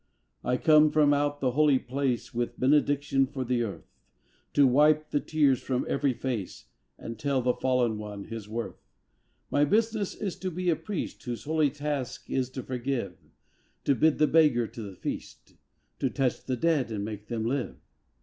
I come from out the Holy Place With benediction for the earth, To wipe the tears from every face And tell the fallen one his worth. My business is to be a priest Whose holy task is to forgive, To bid the beggar to the feast, To touch the dead and make them live.